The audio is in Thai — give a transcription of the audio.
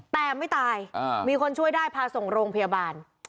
แต่ไม่ตายมีคนช่วยได้พาส่งโรงพยาบาล